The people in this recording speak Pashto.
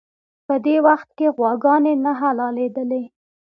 په دې وخت کې غواګانې نه حلالېدلې.